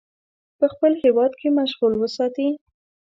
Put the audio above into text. په خپل هیواد کې مشغول وساتي.